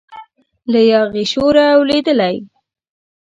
له یاغي شوره لویدلی